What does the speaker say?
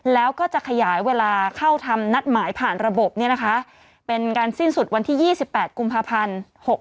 แล้วก็จะขยายเวลาเข้าทำนัดหมายผ่านระบบเป็นการสิ้นสุดวันที่๒๘กุมภาพันธ์๖๖